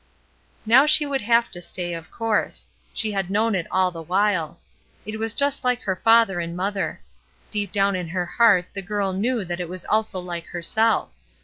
Now she would have to stay, of course. She had known it all the while. It was just Hke her mother and father. Down deep in her heart the girl knew that it was also like herself.